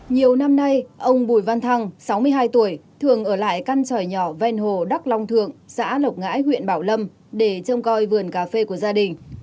nhiều năm nay ông bùi văn thăng sáu mươi hai tuổi thường ở lại căn tròi nhỏ ven hồ đắc long thượng xã lộc ngãi huyện bảo lâm để trông coi vườn cà phê của gia đình